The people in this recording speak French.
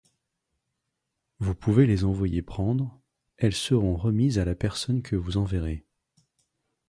Vous pouvez les envoyer prendre, elle seront remises à la personne que vous enverrez...